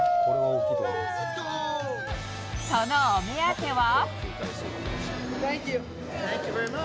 そのお目当ては。